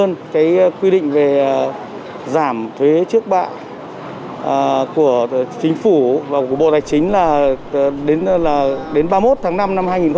cả nhân hơn cái quy định về giảm thuế trước bạ của chính phủ và của bộ tài chính là đến ba mươi một tháng năm năm hai nghìn hai mươi hai